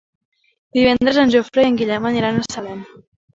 Divendres en Jofre i en Guillem aniran a Salem.